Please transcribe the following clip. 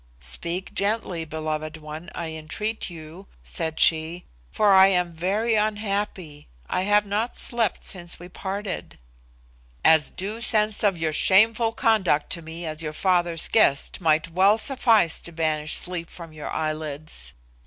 "Speak gently, beloved one, I entreat you," said she, "for I am very unhappy. I have not slept since we parted." "A due sense of your shameful conduct to me as your father's guest might well suffice to banish sleep from your eyelids.